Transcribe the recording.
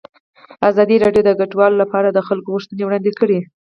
ازادي راډیو د کډوال لپاره د خلکو غوښتنې وړاندې کړي.